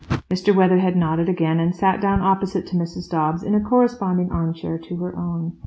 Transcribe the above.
Mr. Weatherhead nodded again, and sat down opposite to Mrs. Dobbs in a corresponding armchair to her own.